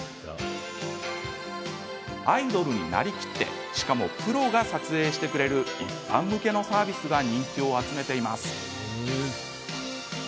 アイドルになりきってしかもプロが撮影してくれる一般向けのサービスが人気を集めています。